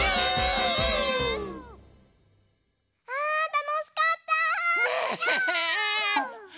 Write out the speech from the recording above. あたのしかった！ね。